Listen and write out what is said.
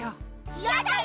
いやだよ！